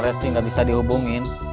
pasti gak bisa dihubungin